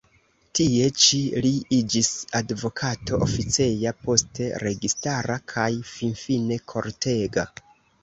Tie ĉi li iĝis advokato oficeja, poste registara kaj finfine kortega.